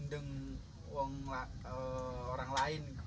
jika orang lain tidak mau